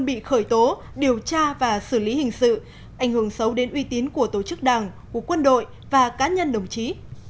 bị khởi tố điều tra và xử lý hình sự ảnh hưởng xấu đến uy tín của tổ chức đảng của quân đội và cá nhân đồng chí